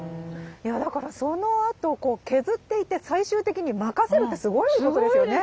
だからそのあとこう削っていって最終的に任せるってすごいことですよね。